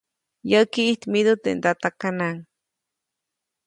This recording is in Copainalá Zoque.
Yäʼki ʼijtmidu teʼ ndatakanaʼŋ.